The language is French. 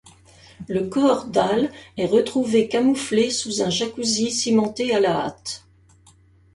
Le corps d'Al est retrouvé camouflé sous un jacuzzi cimenté à la hâte.